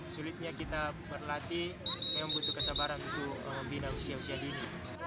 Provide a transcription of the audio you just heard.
sulitnya kita berlatih memang butuh kesabaran untuk membina usia usia dini